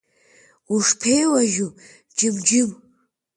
Ушԥеилажьу, џьымџьым.